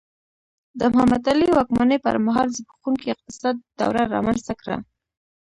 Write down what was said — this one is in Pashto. د محمد علي واکمنۍ پر مهال زبېښونکي اقتصاد دوره رامنځته کړه.